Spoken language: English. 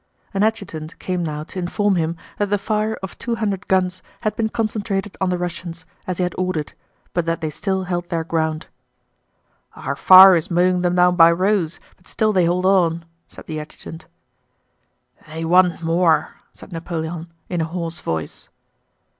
An adjutant came now to inform him that the fire of two hundred guns had been concentrated on the Russians, as he had ordered, but that they still held their ground. "Our fire is mowing them down by rows, but still they hold on," said the adjutant. "They want more!..." said Napoleon in a hoarse voice.